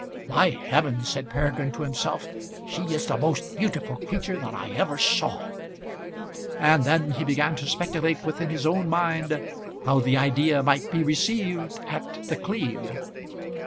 "By heavens!" said Peregrine to himself, "she is the most beautiful creature that I ever saw;" and then he began to speculate within his own mind how the idea might be received at The Cleeve.